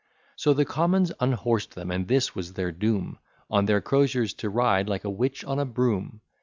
So the commons unhors'd them; and this was their doom, On their crosiers to ride like a witch on a broom.